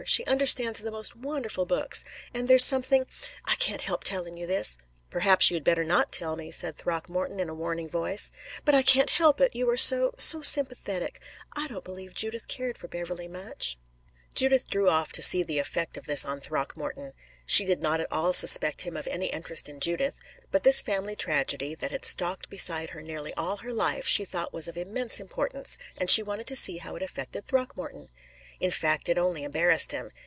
She understands the most wonderful books. And there's something I can't help telling you this." "Perhaps you had better not tell me," said Throckmorton in a warning voice. "But I can't help it, you are so so sympathetic: I don't believe Judith cared for Beverley much." Jacqueline drew off to see the effect of this on Throckmorton. She did not at all suspect him of any interest in Judith; but this family tragedy, that had stalked beside her nearly all her life, she thought was of immense importance, and she wanted to see how it affected Throckmorton. In fact, it only embarrassed him.